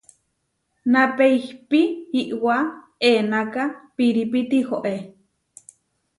Napé ihpí Iʼwá enaká pirípi tihoé.